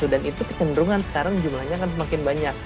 dan itu kecenderungan sekarang jumlahnya akan semakin banyak